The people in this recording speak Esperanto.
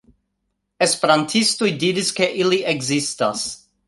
Esperantistoj diris ke ili ekzistas.